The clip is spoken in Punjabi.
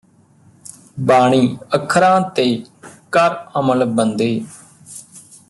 ਬਾਣੀ ਅੱਖਰਾਂ ਤੇ ਕਰ ਅਮਲ ਬੰਦੇ